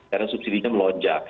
karena subsidinya melonjak